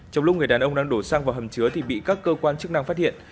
trong lúc người đàn ông đang đổ xăng vào hầm chứa thì bị các cơ quan chức năng phát hiện